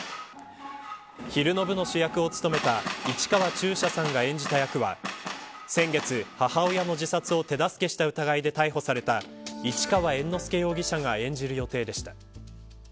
昼の部の主役を務めた市川中車さんが演じた役は先月、母親の自殺を手助けした疑いで逮捕された市川猿之助容疑者が演じる予定でした。